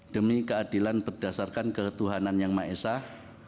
demi keadilan berdasarkan ketuhanan yang maesah